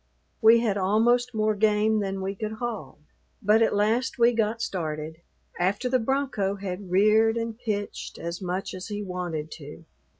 We had almost more game than we could haul, but at last we got started, after the bronco had reared and pitched as much as he wanted to.